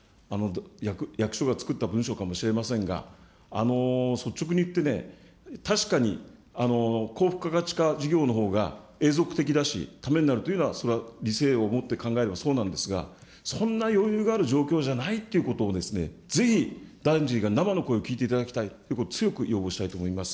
役所が作った文書かもしれませんが、率直に言って確かに高付加価値化事業のほうが永続的だし、ためになるというのは、それは理性を持って考えればそうなんですが、そんな余裕がある状況じゃないということを、ぜひ、大臣が生の声を聞いていただきたいということを、強く要望したいと思います。